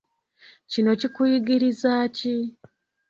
Kino kukuyigirizaaki?